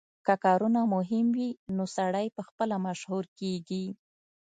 که کارونه مهم وي نو سړی پخپله مشهور کیږي